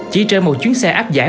chỉ trên một chuyến xe áp giải